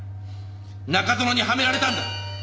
中園にはめられたんだ！